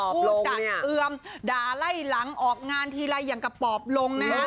ผู้จัดเอือมด่าไล่หลังออกงานทีไรอย่างกระป๋อบลงนะฮะ